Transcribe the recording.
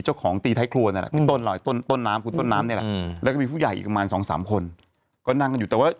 โอ้หูต้องบอกไว้ก่อนเดี๋ยวโดยเดี๋ยวมีแต่ว่าไปนั่งกันนี่แหละ